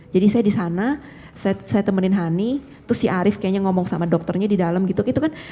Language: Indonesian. jadi saya disana saya temenin hani terus si arief kayaknya ngomong sama dokternya di dalam gitu kan